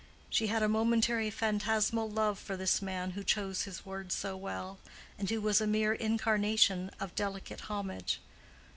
She had a momentary phantasmal love for this man who chose his words so well, and who was a mere incarnation of delicate homage.